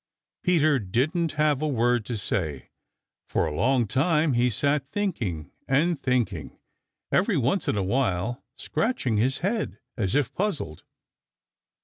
Peter didn't have a word to say. For a long time he sat thinking and thinking, every once in a while scratching his head as if puzzled.